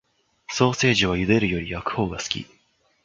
ソーセージは茹でるより焼くほうが好き